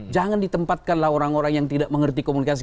jangan ditempatkanlah orang orang yang tidak mengerti komunikasi